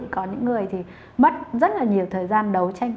còn những người thì mất rất là nhiều thời gian đấu tranh